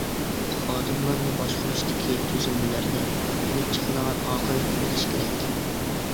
خادىملارنى باشقۇرۇشتىكى تۈزۈلمىلەردىن كېلىپ چىقىدىغان ئاقىۋەتنى بىلىش كېرەك.